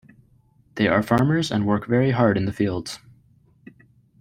They are farmers and work very hard in the fields.